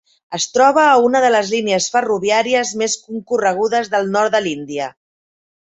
es troba a una de les línies ferroviàries més concorregudes del nord de l'Índia.